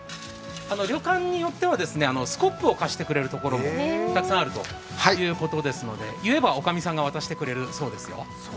旅館によってはスコップを貸してくれるところもたくさんあるということですので、言えば、おかみさんが渡してくれるそうですよ。